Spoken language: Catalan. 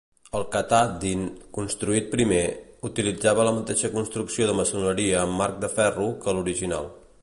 El Katahdin, construït primer, utilitzava la mateixa construcció de maçoneria amb marc de ferro que l'original.